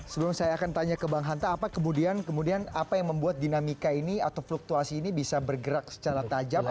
sebelum saya akan tanya ke bang hanta apa kemudian apa yang membuat dinamika ini atau fluktuasi ini bisa bergerak secara tajam